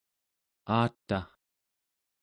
aata